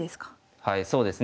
はいそうですね。